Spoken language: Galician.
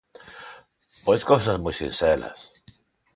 Pois cousas moi sinxelas.